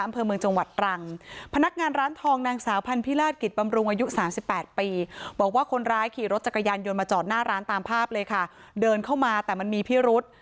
อำเภอเมืองจังหวัดตรังพนักงานร้านทองนางสาวพันธิราชกิจบำรุงอายุ๓๘ปีบอกว่าคนร้ายขี่รถจักรยานยนต์มาจอดหน้าร้านตามภาพเลยค่ะเดินเข้ามาแต่มันมีพิรุษ